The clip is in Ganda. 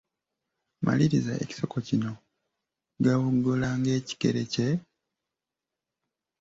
Maliriza ekisoko kino: Gaboggola ng'ekikere kye ...